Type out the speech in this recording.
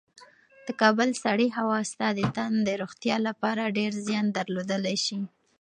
د کابل سړې هوا ستا د تن د روغتیا لپاره ډېر زیان درلودلی شي.